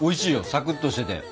サクッとしてて。